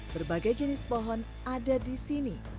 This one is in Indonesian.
berbagai jenis pohon ada di sini